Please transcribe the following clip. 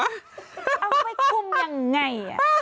เอาไปคุมยังไง